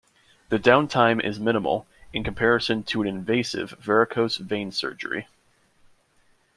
The downtime is minimal, in comparison to an invasive varicose vein surgery.